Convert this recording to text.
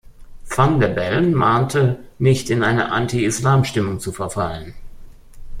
Van der Bellen mahnte, nicht in eine Anti-Islam-Stimmung zu verfallen.